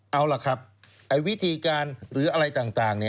เอาล่ะครับวิธีการหรืออะไรต่าง